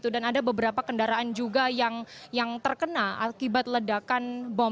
dan ada beberapa kendaraan juga yang terkena akibat ledakan bom